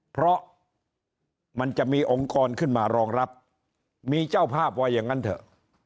เพราะมันจะมีองค์กรขึ้นมารองรับมีเจ้าภาพว่าอย่างนั้นเถอะ